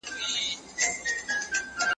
داستاني اثر ته له بېلابېلو زاویو وګورئ.